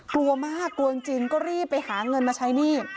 กลัวมากกลัวจริงก็รีบไปหาเงินมาใช้หนี้